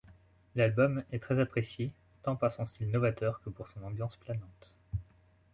L'album est très apprécié, tant pour son style novateur que pour son ambiance planante.